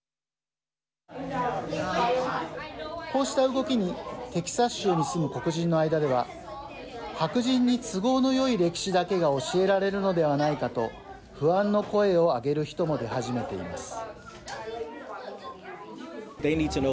こうした動きにテキサス州に住む黒人の間では白人に都合のよい歴史だけが教えられるのではないかと不安の声を上げる人も出始めています。